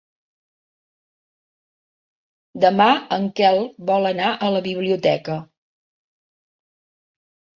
Demà en Quel vol anar a la biblioteca.